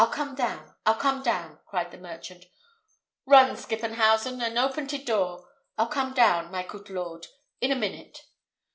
I'll come down, I'll come down," cried the merchant "Run, Skippenhausen, and open te door. I'll come down, my coot lord, in a minute."